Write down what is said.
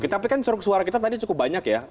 tapi kan ceruk suara kita tadi cukup banyak ya